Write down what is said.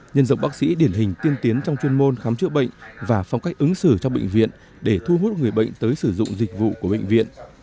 nhân rộng bác sĩ điển hình tiên tiến trong chuyên môn khám chữa bệnh và phong cách ứng xử trong bệnh viện để thu hút người bệnh tới sử dụng dịch vụ của bệnh viện